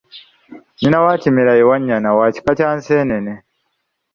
Nnyina wa Kimera ye Wannyana, wa kika kya Nseenene.